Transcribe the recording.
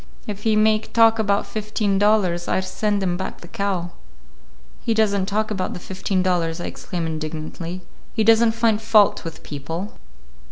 If he make talk about fifteen dollars, I send him back the cow." "He does n't talk about the fifteen dollars," I exclaimed indignantly. "He does n't find fault with people."